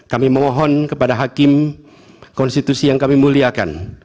kami mohon kepada hakim konstitusi yang kami muliakan